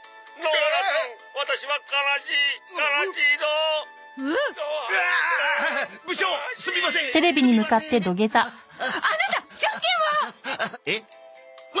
うわ！